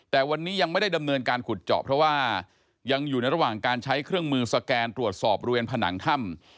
แต่วันนี้ยังไม่ได้ดำเนินการขุดเจาะเพราะว่ายังอยู่ในระหว่างการใช้เครื่องมือสแกนตรวจสอบบริเวณผนังถ้ำ